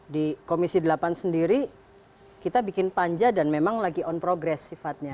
di komisi delapan sendiri kita bikin panja dan memang lagi on progress sifatnya